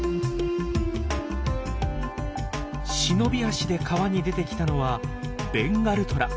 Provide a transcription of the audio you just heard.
忍び足で川に出てきたのはベンガルトラ。